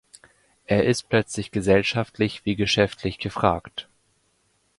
Er ist plötzlich gesellschaftlich wie geschäftlich gefragt.